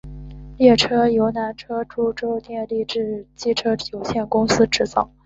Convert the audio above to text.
列车由南车株洲电力机车有限公司制造。